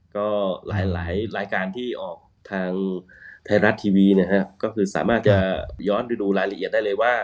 ก็หลายรายการที่ออกทางไทยรัฐทีวีนะฮะก็คือสามารถจะย้อนไปดูรายละเอียดได้เลยว่า